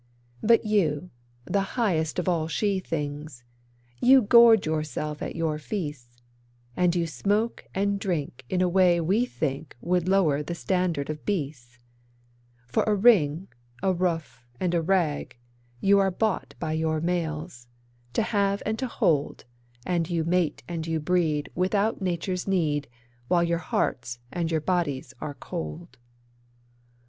'But you, the highest of all she things, you gorge yourselves at your feasts, And you smoke and drink in a way we think would lower the standard of beasts; For a ring, a roof and a rag, you are bought by your males, to have and to hold, And you mate and you breed without nature's need, while your hearts and your bodies are cold.